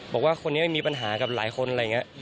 บอกว่าคนนี้ไม่มีปัญหากับหลายคนอะไรอย่างนี้